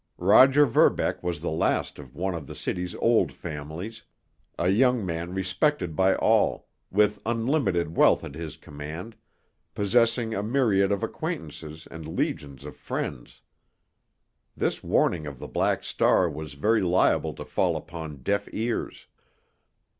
Roger Verbeck was the last of one of the city's old families, a young man respected by all, with unlimited wealth at his command, possessing a myriad of acquaintances and legions of friends. This warning of the Black Star was very liable to fall upon deaf ears.